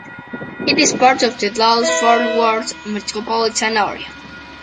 It is part of the Dallas-Fort Worth metropolitan area.